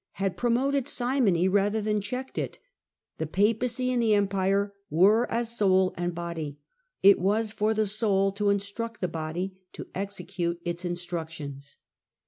had promoted simony rather than checked it; the Papacy and the Empire were as soul and body; it was for the soul to instruct, the body to execute its instruc tions.